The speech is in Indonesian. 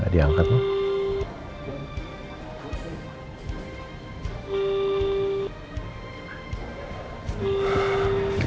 gak diangkat pak